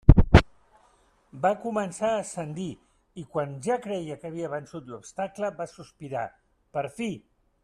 Va començar a ascendir i, quan ja creia que havia vençut l'obstacle, va sospirar, per fi!